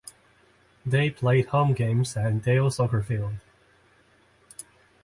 They played home games at Dail Soccer Field.